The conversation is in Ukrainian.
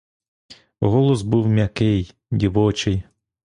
Голос був м'який, дівочий.